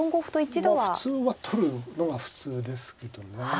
普通は取るのが普通ですけどね。